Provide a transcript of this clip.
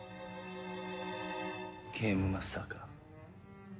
ゲームマスターか。